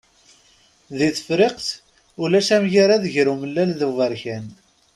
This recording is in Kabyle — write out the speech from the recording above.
Di Tefriqt, ulac amgarad gar umellal d uberkan.